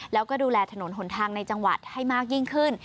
แล้วก็ดูแลถนนหนทางในจังหวัดให้มากยิ่งขึ้น